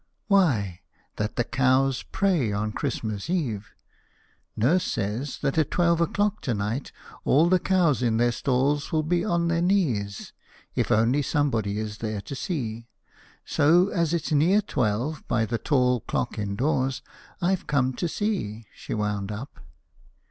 "Why, that the cows pray on Christmas eve. Nurse says that at twelve o'clock to night all the cows in their stalls will be on their knees, if only somebody is there to see. So, as it's near twelve by the tall clock indoors, I've come to see," she wound up.